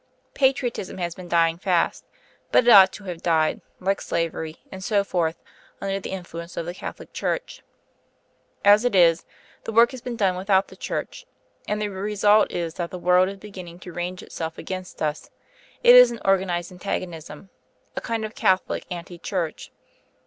Patriotism has been dying fast; but it ought to have died, like slavery and so forth, under the influence of the Catholic Church. As it is, the work has been done without the Church; and the result is that the world is beginning to range itself against us: it is an organised antagonism a kind of Catholic anti Church.